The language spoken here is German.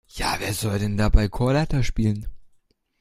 Ja, wer soll denn dabei Chorleiter spielen?